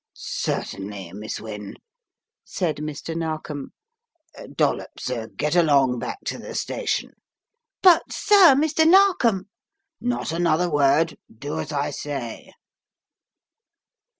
"Certainly, Miss Wynne," said Mr. Narkom. "Dollops, get along back to the station." "But, sir, Mr. Narkom " "Not another word: do as I say.'